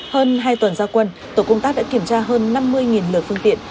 hơn hai tuần gia quân tổ công tác đã kiểm tra hơn năm mươi lượt phương tiện